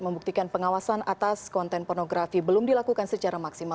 membuktikan pengawasan atas konten pornografi belum dilakukan secara maksimal